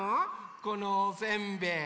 このおせんべい